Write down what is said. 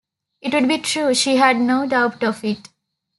It would be true; she had no doubt of it.